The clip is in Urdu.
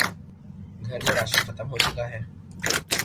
گھر میں راشن ختم ہو چکا ہے